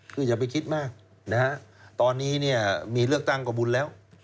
คืออย่าไปคิดมากตอนนี้มีเลือกตั้งกว่าบุญแล้ว